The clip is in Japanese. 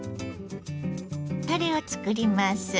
タレを作ります。